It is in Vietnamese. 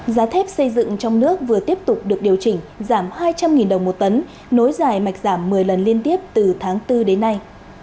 giá thép xây dựng trong nước vừa tiếp tục được điều chỉnh giảm hai trăm linh đồng một tấn nối dài mạch giảm một mươi lần liên tiếp từ tháng bốn đến nay